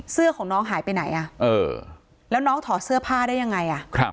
เสื้อของน้องหายไปไหนอ่ะเออแล้วน้องถอดเสื้อผ้าได้ยังไง